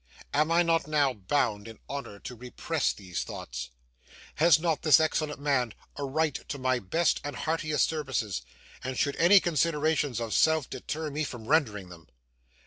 Am I not now bound in honour to repress these thoughts? Has not this excellent man a right to my best and heartiest services, and should any considerations of self deter me from rendering them?